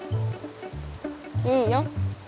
いいよ。